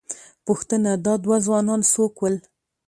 پوښتنه، دا دوه ځوانان څوک ول؟